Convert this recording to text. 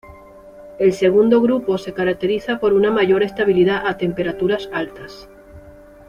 El segundo grupo se caracteriza por una mayor estabilidad a temperaturas altas.